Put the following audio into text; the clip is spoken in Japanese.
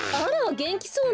げんきそうね。